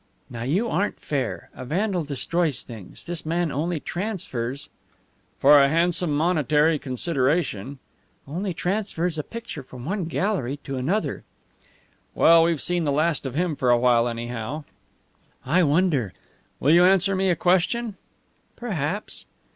"Now you aren't fair. A vandal destroys things; this man only transfers " "For a handsome monetary consideration " "Only transfers a picture from one gallery to another." "Well, we've seen the last of him for a while, anyhow." "I wonder." "Will you answer me a question?" "Perhaps."